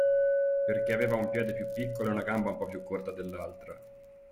Perché aveva un piede più piccolo e una gamba un po' più corta dell'altra.